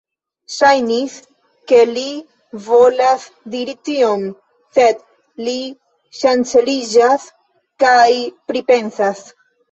Ŝajnis, ke li volas diri ion, sed li ŝanceliĝas kaj pripensas.